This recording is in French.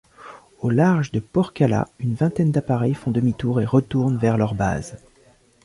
Au large de Porkkala, une vingtaine d'appareils font demi-tour et retournent vers leurs bases.